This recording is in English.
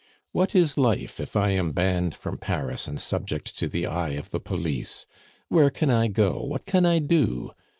"What is life if I am banned from Paris and subject to the eye of the police? Where can I go, what can I do?